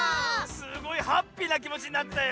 すごいハッピーなきもちになったよ。